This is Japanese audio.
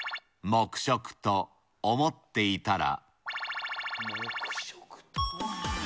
黙食と思っていたら×××。